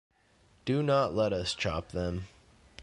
Do not let us chop them.